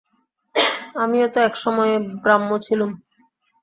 আমিও তো এক সময়ে ব্রাহ্ম ছিলুম।